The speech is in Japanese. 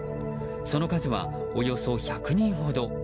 その数はおよそ１００人ほど。